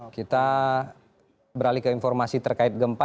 kita beralih ke informasi terkait gempa